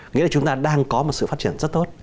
nghĩa là chúng ta đang có một sự phát triển rất tốt